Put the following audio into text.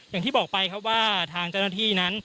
อย่างที่บอกไปครับว่าทางเจ้าหน้าที่นั้น